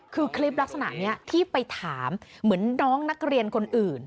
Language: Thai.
คือคลิปลักษณะนี้ที่ไปถามเหมือนน้องนักเรียนคนอื่น